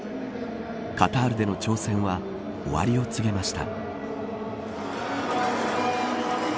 カタールでの挑戦は終わりを告げました。